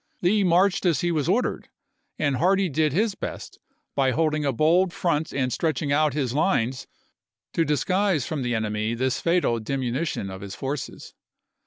Lee p.m.' marched as he was ordered, and Hardee did his best, by holding a bold front and stretching out his lines, to disguise from the enemy this fatal diminu tion of his forces.